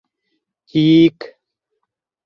Тик...